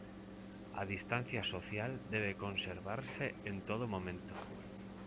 A distancia social debe conservarse en todo momento.